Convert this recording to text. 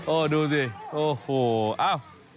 ดูสิโอ้โหเอ้า